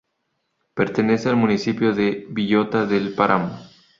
Pertenece al municipio de Villota del Páramo.